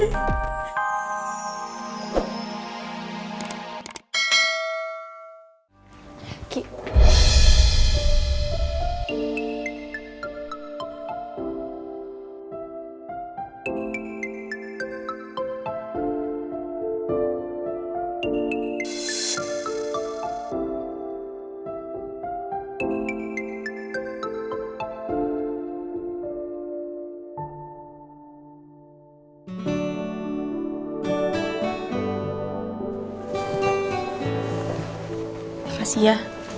terima kasih ya